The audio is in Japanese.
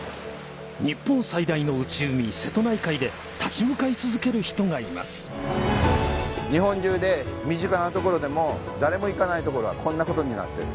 日本最大の内海瀬戸内海で立ち向かい続ける人がいます日本中で身近なところでも誰も行かないところはこんなことになってる。